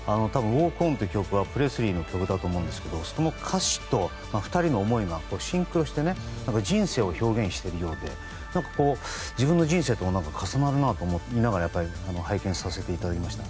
この曲はプレスリーの曲だと思うんですけどその歌詞と２人の思いがシンクロして人生を表現しているようで自分の人生とも重なるなと思って拝見させていただきました。